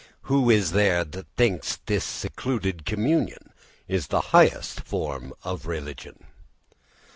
Who is there that thinks this secluded communion is the highest form of religion?